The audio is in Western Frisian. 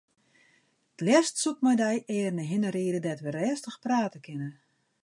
Leafst soe ik mei dy earne hinne ride dêr't wy rêstich prate kinne.